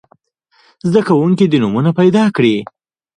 زده کوونکي دې نومونه پیداکړي.